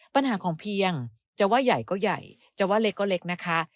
ปัญหาของเพียงจะว่าใหญ่ก็ใหญ่จะว่าเล็กก็เล็กนะคะ